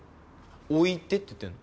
置いてって言ってんの。